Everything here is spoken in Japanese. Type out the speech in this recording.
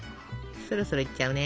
そろそろいっちゃうね。